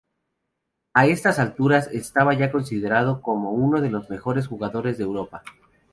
A estas alturas, estaba ya considerado como uno de los mejores jugadores de Europa.